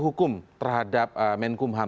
hukum terhadap menkumham